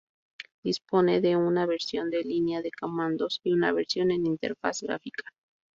Dispone de una versión de línea de comandos y una versión en interfaz gráfica.